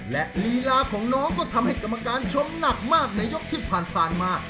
และลีลาของน้องก็ทำให้กรรมการชมหนักมากในยกที่ผ่านมา